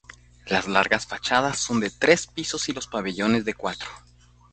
Las largas fachadas son de tres pisos y los pabellones de cuatro.